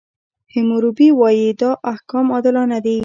حموربي وایي، دا احکام عادلانه دي.